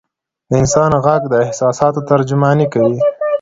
د انسان ږغ د احساساتو ترجماني کوي.